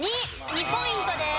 ２ポイントです。